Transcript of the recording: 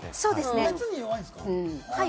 熱に弱いんですね。